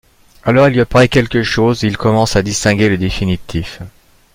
Alors il lui apparaît quelque chose, et il commence à distinguer le définitif.